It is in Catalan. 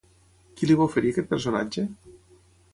Qui li va oferir aquest personatge?